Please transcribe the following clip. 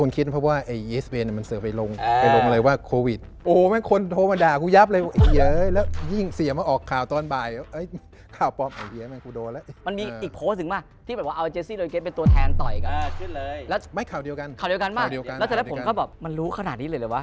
ข่าวเดียวกันมากแล้วเจ้าแรกผมก็แบบมันรู้ขนาดนี้เลยหรือเปล่า